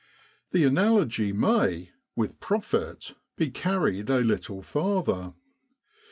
The analogy may, with profit, be carried a little farther.